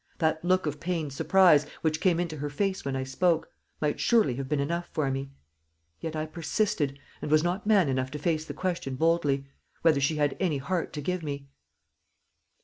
"That look of pained surprise, which came into her face when I spoke, might surely have been enough for me. Yet I persisted, and was not man enough to face the question boldly whether she had any heart to give me."